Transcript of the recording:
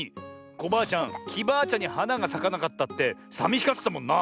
コバアちゃんきバアちゃんにはながさかなかったってさみしがってたもんな！